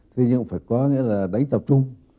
thế nhưng phải có nghĩa là đánh tập trung